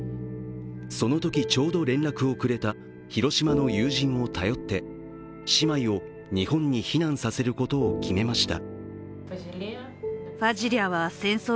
そのとき、ちょうど連絡をくれた広島の友人を頼って姉妹を日本に避難させることを決めました。